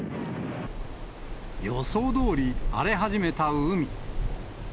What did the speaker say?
予想どおり、荒れ始めた海。